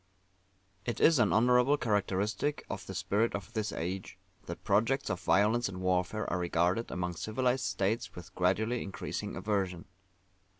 It is an honourable characteristic of the Spirit of this Age, that projects of violence and warfare are regarded among civilized states with gradually increasing aversion.